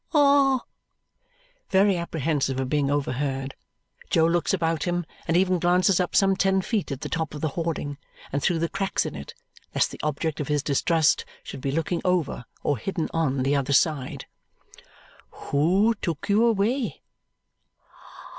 "Ah!" Very apprehensive of being overheard, Jo looks about him and even glances up some ten feet at the top of the hoarding and through the cracks in it lest the object of his distrust should be looking over or hidden on the other side. "Who took you away?"